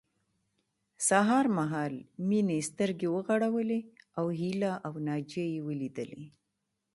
سهار مهال مينې سترګې وغړولې او هيله او ناجيه يې وليدلې